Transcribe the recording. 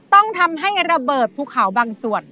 ต้องทำให้ระเบิดภูเขาบางส่วน